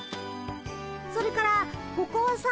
それからここはさ。